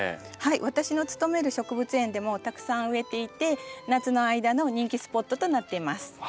私の勤める植物園でもたくさん植えていて夏の間の人気スポットとなっています。